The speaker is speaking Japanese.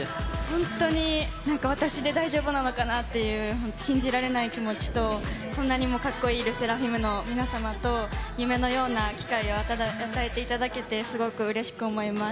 本当になんか私で大丈夫なのかなっていう、信じられない気持ちと、こんなにもかっこいいＬＥＳＳＥＲＡＦＩＭの皆さんと、夢のような機会を与えていただけて、すごくうれしく思います。